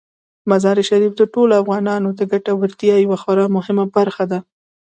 مزارشریف د ټولو افغانانو د ګټورتیا یوه خورا مهمه برخه ده.